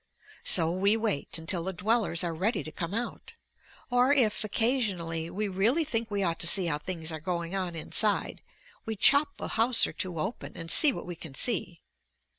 So we wait until the dwellers are ready to come out. Or if occasionally we really think we ought to see how things are going on inside, we chop a house or two open and see what we can see.